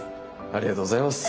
ありがとうございます。